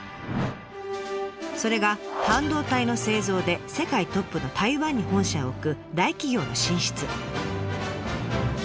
それが半導体の製造で世界トップの台湾に本社を置く大企業の進出。